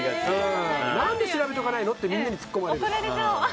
何で調べとかないのってみんなに突っ込まれる。